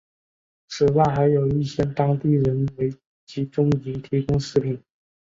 此外还有一些当地人为集中营提供食品。